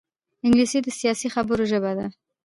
انګلیسي د سیاسي خبرو ژبه ده